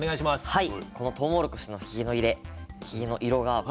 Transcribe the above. はい。